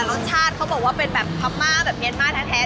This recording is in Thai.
รสชาติเขาบอกว่าเป็นแบบพม่าแบบเมียนมาร์แท้